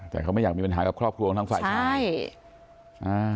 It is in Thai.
แต่เขาไม่อยากมีปัญหากับครอบครัวของทางฝ่ายชายอ่า